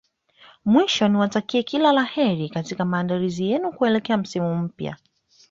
Mwisho niwatakie kila la kheri katika maandalizi yenu kuelekea msimu mpya